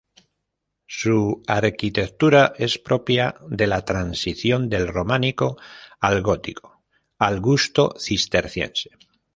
Su arquitectura es propia de la transición del románico al gótico al gusto cisterciense.